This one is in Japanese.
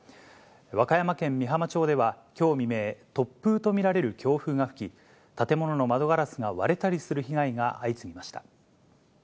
和歌山県美浜町では、きょう未明、突風と見られる強風が吹き、建物の窓ガラスが割れたりする被害が相次ぎました。